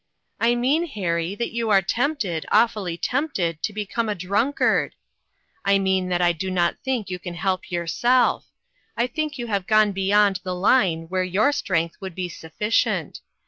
" I mean, Harry, that you are tempted, awfully tempted, to become a drunkard ! I mean that I do not think you can help yourself; I think you have gone beyond the line where your strength would be sufficient.